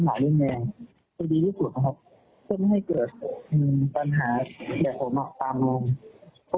ไม่ใช่ให้ดูที่ห้องพักจะอยู่นะครับเอากรณีของผมเป็นแบบอย่างนะครับ